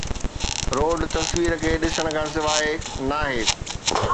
road تصوير کي ڏسڻ کان سواء ناهي